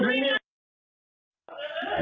อีก